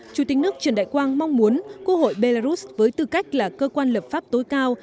chủ tịch nước trần đại quang mong muốn quốc hội belarus với tư cách là cơ quan lập pháp tối cao